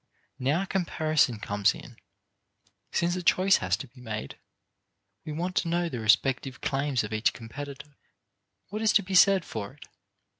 Now comparison comes in. Since a choice has to be made, we want to know the respective claims of each competitor. What is to be said for it?